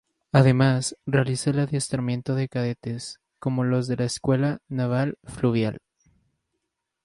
Además, realiza el adiestramiento de cadetes, como los de la Escuela Naval Fluvial.